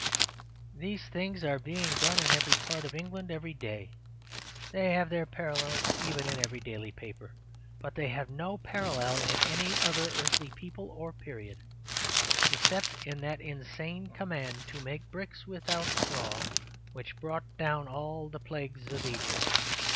These things are being done in every part of England every day. They have their parallels even in every daily paper; but they have no parallel in any other earthly people or period; except in that insane command to make bricks without straw which brought down all the plagues of Egypt.